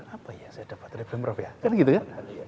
apa yang saya dapat dari pemprov ya